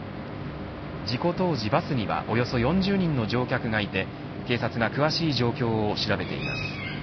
事故当時、バスにはおよそ４０人の乗客がいて警察が詳しい状況を調べています。